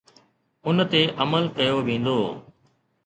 ان تي عمل ڪيو ويندو.